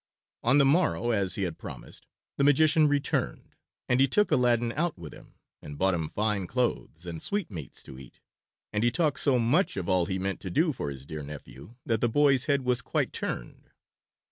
On the morrow, as he had promised, the magician returned, and he took Aladdin out with him, and bought him fine clothes, and sweetmeats to eat, and he talked so much of all he meant to do for his dear nephew that the boy's head was quite turned.